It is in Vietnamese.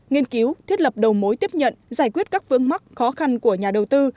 nghiên cứu thiết lập đầu mối tiếp nhận giải quyết các vương mắc khó khăn của nhà đầu tư